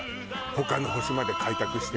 他の星まで開拓して。